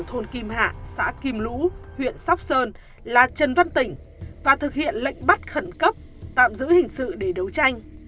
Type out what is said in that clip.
công an huyện kim hạ xã kim lũ huyện sóc sơn là trần văn tỉnh và thực hiện lệnh bắt khẩn cấp tạm giữ hình sự để đấu tranh